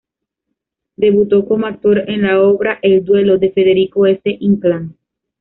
Debutó como actor en la obra "El duelo" de Federico S. Inclán.